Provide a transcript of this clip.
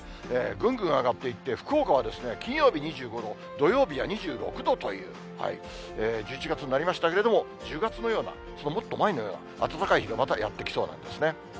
ぐんぐん上がっていって、福岡は金曜日２５度、土曜日は２６度という、１１月になりましたけれども、１０月のような、もっと前のような暖かい日がまたやって来そうなんですね。